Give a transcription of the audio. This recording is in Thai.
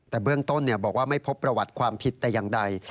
แต่เบื้องต้นบอกว่าไม่พบประวัติความผิดแต่อย่างใด